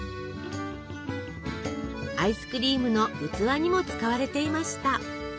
アイスクリームの器にも使われていました。